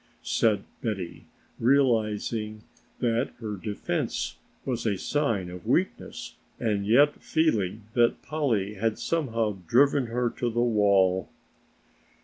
said Betty, realizing that her defense was a sign of weakness and yet feeling that Polly had somehow driven her to the wall.